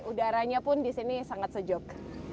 udaranya pun di sini sangat sejuk